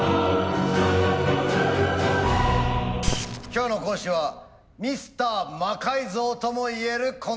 今日の講師はミスター魔改造ともいえるこの人。